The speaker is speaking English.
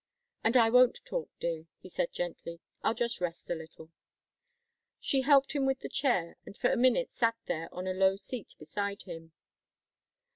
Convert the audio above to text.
"And I won't talk, dear," he said gently; "I'll just rest a little." She helped him with the chair and for a minute sat there on a low seat beside him.